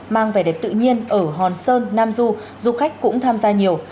mang vẻ đẹp tự nhiên ở hòn sơn nam du du khách cũng tham gia nhiều